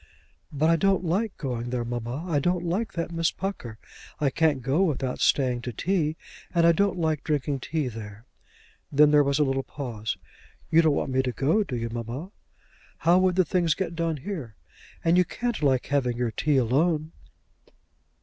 "But I don't like going there, mamma. I don't like that Miss Pucker. I can't go without staying to tea, and I don't like drinking tea there." Then there was a little pause. "You don't want me to go; do you, mamma? How would the things get done here? and you can't like having your tea alone."